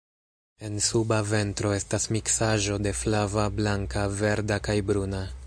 En suba ventro estas miksaĵo de flava, blanka, verda kaj bruna.